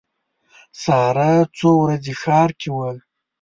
ساره څو ورځې ښار کې وه.